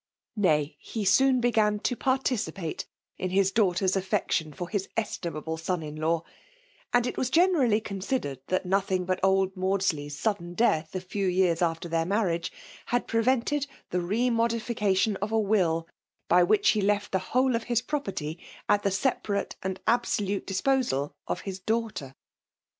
Nay, lie soon began to participate in his daughter's affection for his estimable son in law ; and it was generally considered, that nothing but old Maudsley's sudden death a few years after their marriage, had prevented the re modi&ft tion of a will by which he left the whole of his property at the separate and absolute disp^al of his daughter.